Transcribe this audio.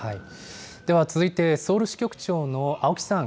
では続いて、ソウル支局長の青木さん。